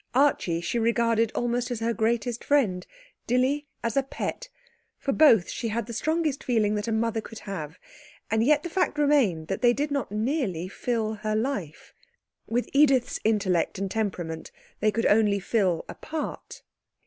Archie she regarded almost as her greatest friend, Dilly as a pet; for both she had the strongest feeling that a mother could have. And yet the fact remained that they did not nearly fill her life. With Edith's intellect and temperament they could only fill a part.